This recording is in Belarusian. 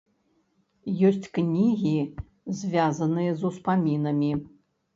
Ёсць кнігі, звязаныя з успамінамі.